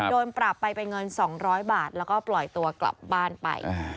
โดนปรับไปเป็นเงิน๒๐๐บาทแล้วก็ปล่อยตัวกลับบ้านไป